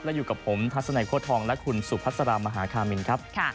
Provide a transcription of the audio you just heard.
และอยู่กับผมทัศนัยโค้ทองและคุณสุพัสรามหาคามินครับ